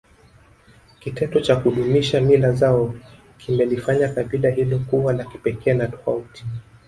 Kitendo cha kudumisha mila zao kimelifanya kabila hilo kuwa la kipekee na tofauti